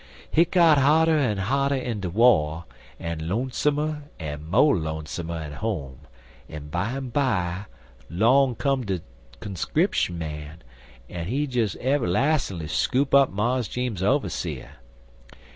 Hit got hotter en hotter in de war, en lonesomer en mo' lonesomer at home, en bimeby 'long come de conscrip' man, en he des everlas'nly scoop up Mars Jeems's overseer.